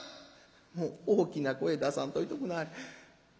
「もう大きな声出さんといておくなはれ。